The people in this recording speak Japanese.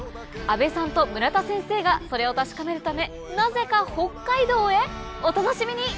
阿部さんと村田先生がそれを確かめるためなぜか北海道へ⁉お楽しみに！